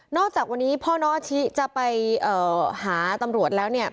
น่าจากวันนี้พ่อน้องชิะจะไปหาตำรวจแล้ว